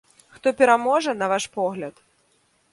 Хто пераможа, на ваш погляд?